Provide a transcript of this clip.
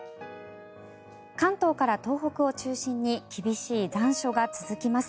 関東から東北を中心に厳しい残暑が続きます。